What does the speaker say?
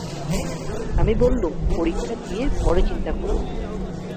আমি বললুম, পরীক্ষা দিয়ে পরে চিন্তা কোরো।